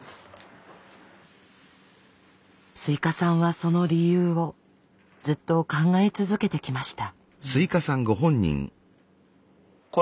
スイカさんはその理由をずっと考え続けてきました。